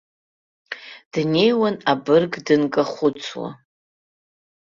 Днеиуан абырг дынкахәыцуа.